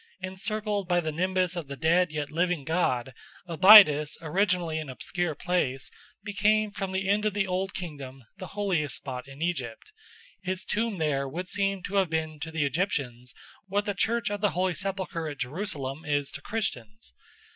Encircled by the nimbus of the dead yet living god, Abydos, originally an obscure place, became from the end of the Old Kingdom the holiest spot in Egypt; his tomb there would seem to have been to the Egyptians what the Church of the Holy Sepulchre at Jerusalem is to Christians.